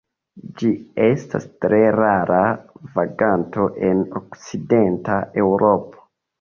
Ĝi estas tre rara vaganto en okcidenta Eŭropo.